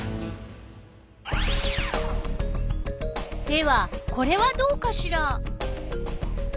ではこれはどうかしら？